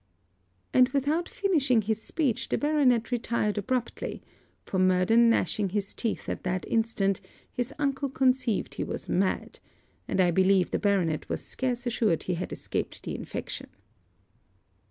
and, without finishing his speech, the baronet retired abruptly; for Murden gnashing his teeth at that instant his uncle conceived he was mad; and I believe the baronet was scarce assured he had escaped the infection.